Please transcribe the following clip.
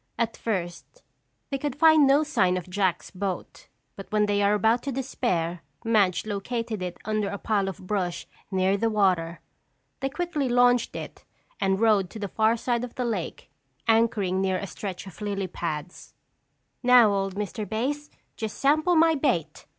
At first they could find no sign of Jack's boat but when they were about to despair Madge located it under a pile of brush near the water. They quickly launched it and rowed to the far side of the lake, anchoring near a stretch of lily pads. "Now, old Mr. Bass, just sample my bait!"